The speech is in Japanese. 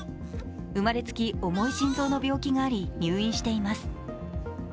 生まれつき重い心臓の病気があり入院しています。